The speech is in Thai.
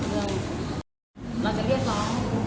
แต่๕ทางที่มีการเทรดเชิงก็คือ